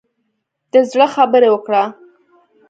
د زړه خبرې وکړه.